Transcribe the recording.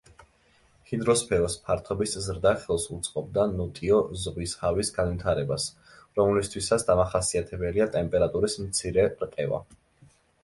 ჰიდროსფეროს ფართობის ზრდა ხელს უწყობდა ნოტიო ზღვის ჰავის განვითარებას, რომლისთვისაც დამახასიათებელია ტემპერატურის მცირე რყევა.